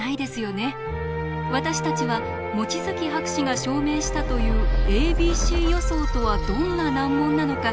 私たちは望月博士が証明したというａｂｃ予想とはどんな難問なのか